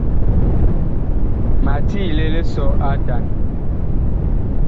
Ma tiile lisɔ a atan.